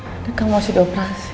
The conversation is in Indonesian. ada kamu masih di operasi